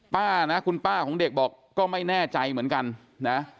ป้านะคุณป้าของเด็กบอกก็ไม่แน่ใจเหมือนกันนะ